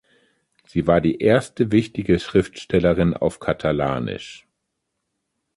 Sie war die erste wichtige Schriftstellerin auf Katalanisch.